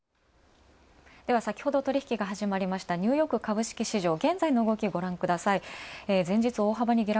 では先ほど取引が始まったニューヨーク株式市場、現在の動きご覧ください。前日大幅に下落。